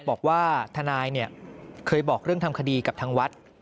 บอกว่าทนายเคยบอกเรื่องทำคดีกับทางวัด